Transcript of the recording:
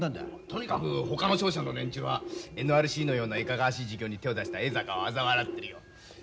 とにかくほかの商社の連中はＮＲＣのようないかがわしい事業に手を出した江坂をあざ笑ってるよ。